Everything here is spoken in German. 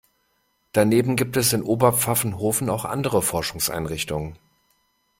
Daneben gibt es in Oberpfaffenhofen auch andere Forschungseinrichtungen.